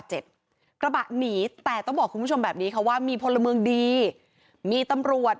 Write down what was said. กระบะหนีแต่ต้องบอกคุณผู้ชมแบบนี้ค่ะว่ามีพลเมืองดีมีตำรวจ